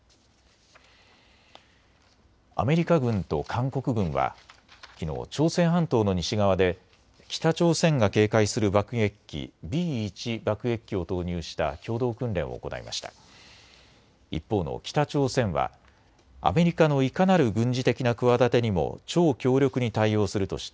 アメリカ軍と韓国軍はきのう朝鮮半島の西側で北朝鮮が警戒する爆撃機、Ｂ１爆撃機を投入した共同訓練を行いました。